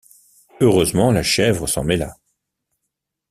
Heureusement la chèvre s’en mêla.